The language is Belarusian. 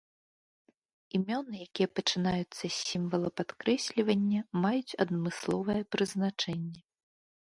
Імёны, якія пачынаюцца з сімвала падкрэслівання, маюць адмысловае прызначэнне.